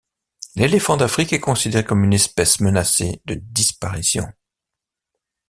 L'éléphant d'Afrique est considéré comme une espèce menacée de disparition.